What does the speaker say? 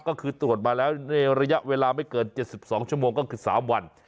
ก็คือตรวจมาแล้วในระยะเวลาไม่เกิน๗๒ชั่วโมงก็คือ๓วัน